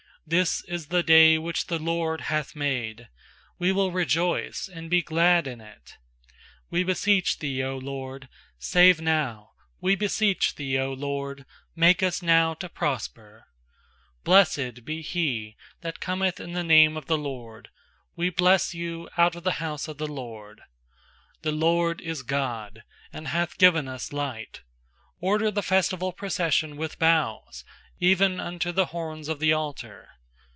24This is the day which the LORD hath made; We will rejoice and be glad in it. 25We beseech Thee, 0 LORD, save now! We beseech Thee, 0 LORD, make us now to prosper! 26Blessed be he that cometh in the name of the LORD; We bless you out of the house of the LORD. 27The LORD is God, and hath given us light; Order the festival procession with boughs, even unto the horns of the altar.